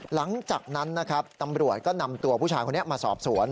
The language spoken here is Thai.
หลังจากนั้นนะครับตำรวจก็นำตัวผู้ชายคนนี้มาสอบสวน